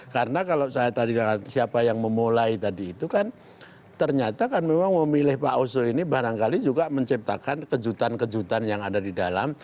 karena kalau saya tadi dengan siapa yang memulai tadi itu kan ternyata kan memang memilih pak oso ini barangkali juga menciptakan kejutan kejutan yang ada di dalam